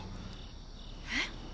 えっ？